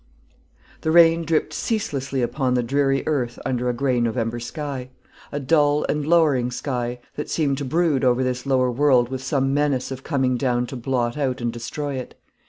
The rain dripped ceaselessly upon the dreary earth under a grey November sky, a dull and lowering sky, that seemed to brood over this lower world with some menace of coming down to blot out and destroy it.